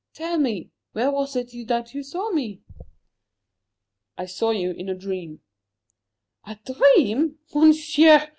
Tell me where was it that you saw me?" "I saw you in a dream." "A dream? Monsieur!